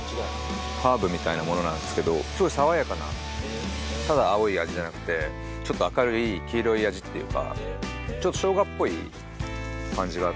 ハーブみたいなものなんですけどすごい爽やかなただ青い味じゃなくてちょっと明るい黄色い味っていうか。